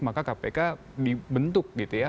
maka kpk dibentuk gitu ya